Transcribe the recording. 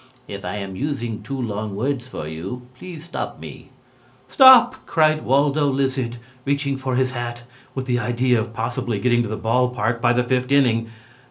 If I am using too long words for you, please stop me." "Stop!" cried Waldo Lizard, reaching for his hat, with the idea of possibly getting to the ball park by the fifth inning.